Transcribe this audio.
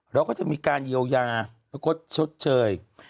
แล้วก็จะมีการเยวยาชดเชย